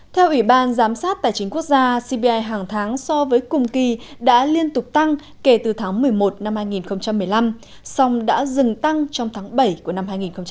theo ủy ban giám sát tài chính quốc gia cpi hàng tháng so với cùng kỳ đã liên tục tăng kể từ tháng một mươi một năm hai nghìn một mươi năm song đã dừng tăng trong tháng bảy của năm hai nghìn một mươi tám